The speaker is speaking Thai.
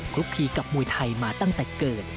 ลุกคีกับมวยไทยมาตั้งแต่เกิด